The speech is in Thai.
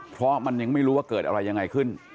เพราะมันยังไม่รู้ว่าเกิดอะไรยังไงขึ้น